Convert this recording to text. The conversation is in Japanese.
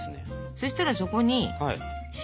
そしたらそこに塩です。